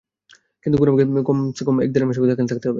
কিন্তু পুনামকে কমছে কম এক দের মাসের মতো, এখানে থাকতে হবে।